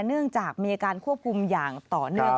เนื่องจากมีการควบคุมอย่างต่อเนื่อง